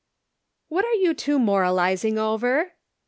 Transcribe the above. "What are you two moralizing over?"